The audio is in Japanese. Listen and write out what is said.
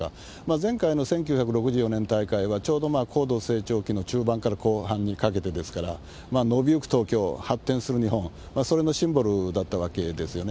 前回の１９６４年大会は、ちょうど高度成長期の中盤から後半にかけてですから、伸びゆく東京、発展する日本、それのシンボルだったわけですよね。